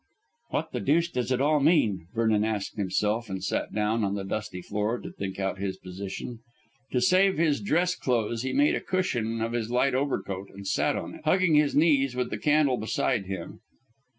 "What the deuce does it all mean?" Vernon asked himself, and sat down on the dusty floor to think out his position. To save his dress clothes he made a cushion of his light overcoat, and sat on it, hugging his knees, with the candle beside him.